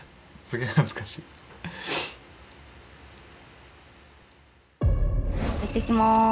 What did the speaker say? いってきます。